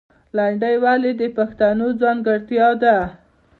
لندۍ ولې د پښتو ځانګړتیا ده؟